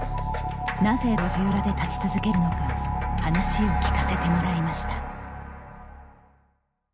なぜ路地裏で立ち続けるのか話を聞かせてもらいました。